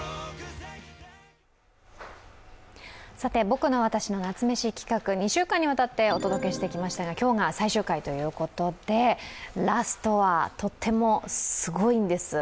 「ぼくのわたしの夏メシ」企画、２週間にわたってお届けしてきましたが今日が最終回ということでラストはとってもすごいんです。